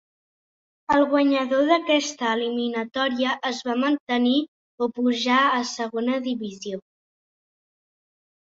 El guanyador d'aquesta eliminatòria es va mantenir o pujar a segona divisió.